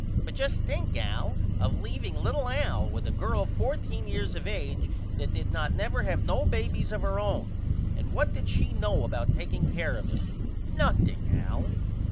But just think Al of leaveing little Al with a girl 14 years of age that did not never have no babys of her own! And what did she know about taking care of him? Nothing Al.